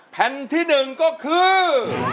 แผ่นที่หนึ่งก็คือ